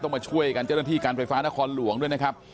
มาช่วยกันเจ้าหน้าที่การไฟฟ้านครหลวงด้วยนะครับ